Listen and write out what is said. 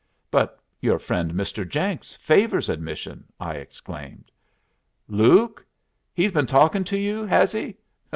"But your friend Mr. Jenks favors admission!" I exclaimed. "Luke? He's been talking to you, has he?